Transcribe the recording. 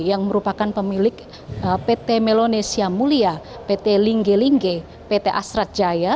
yang merupakan pemilik pt melonesia mulia pt lingge lingge pt astra jaya